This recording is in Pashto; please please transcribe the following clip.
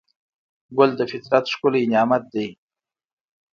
ګل د فطرت ښکلی نعمت دی.